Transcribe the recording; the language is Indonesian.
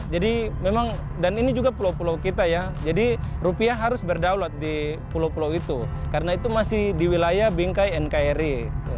jadi memang dan ini juga pulau pulau kita ya jadi rupiah harus berdaulat di pulau pulau itu karena itu masih di wilayah bingkai nkri